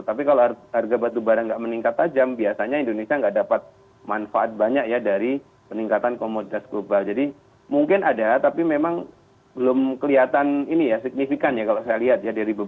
tapi kalau harga batubara nggak meningkat